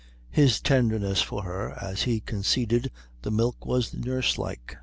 His tenderness for her as he conceded the milk was nurse like.